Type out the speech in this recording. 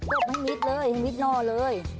โกบไม่อ้างนิดเลยแองนิดหน่อเลย